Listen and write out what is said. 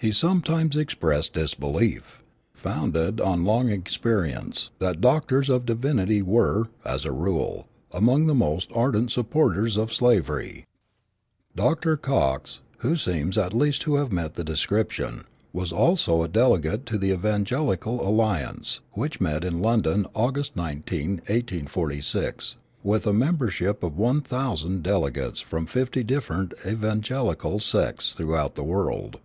He sometimes expressed the belief, founded on long experience, that doctors of divinity were, as a rule, among the most ardent supporters of slavery. Dr. Cox, who seems at least to have met the description, was also a delegate to the Evangelical Alliance, which met in London, August 19, 1846, with a membership of one thousand delegates from fifty different evangelical sects throughout the world.